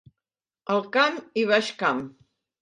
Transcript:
Alt Camp i Baix Camp.